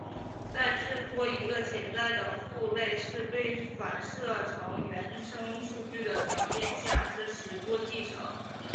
在至多一个潜在的父类是被反射成原生数据的条件下支持多继承。